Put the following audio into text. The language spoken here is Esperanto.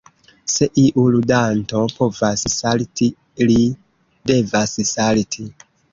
Se iu ludanto povas salti li devas salti.